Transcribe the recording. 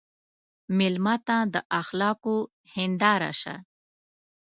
مېلمه ته د اخلاقو هنداره شه.